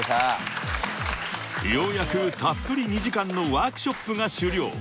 ［ようやくたっぷり２時間のワークショップが終了］